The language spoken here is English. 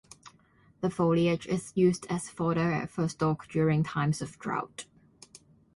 The foliage is used as fodder for stock during times of drought.